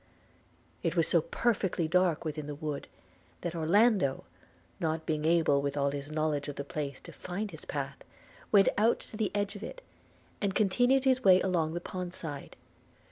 It was so perfectly dark within the wood, that Orlando, not being able with all his knowledge of the place to find his path, went out to the edge of it, and continued his way along the pond side.